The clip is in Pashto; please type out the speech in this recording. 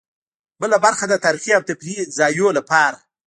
بله برخه د تاریخي او تفریحي ځایونو لپاره.